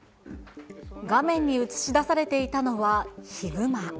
画面に写し出されていたのは、ヒグマ。